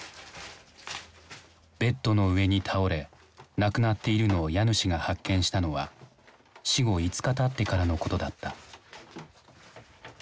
ベッドの上に倒れ亡くなっているのを家主が発見したのは死後５日たってからのことだった。